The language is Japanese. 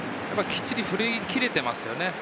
きっちり振り切れていますよね。